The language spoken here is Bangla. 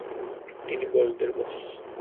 তিনি বসদের বস।